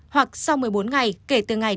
hoặc sau một mươi bốn ngày kể từ ngày